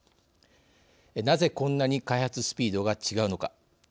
なぜこんなに開発スピードが違うのか。